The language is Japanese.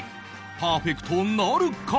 パーフェクトなるか？